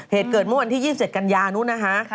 เหตุเกิดเมื่อวันที่๒๗กันยานู้นนะคะ